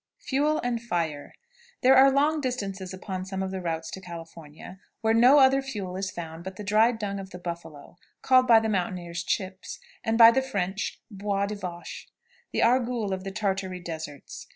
FUEL AND FIRE. There are long distances upon some of the routes to California where no other fuel is found but the dried dung of the buffalo, called by the mountaineers "chips," and by the French "bois de vache," the argul of the Tartary deserts.